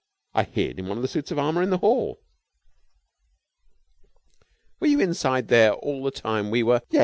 I hid in one of the suits of armour in the hall." "Were you inside there all the time we were...?" "Yes.